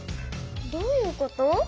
どういうこと？